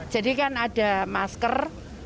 jadi kan ada masker